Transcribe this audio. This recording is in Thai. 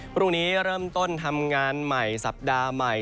พรุ่งนี้เริ่มต้นทำงานใหม่สัปดาห์ใหม่